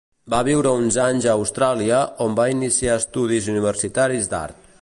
Va viure uns anys a Austràlia on va iniciar estudis universitaris d'art.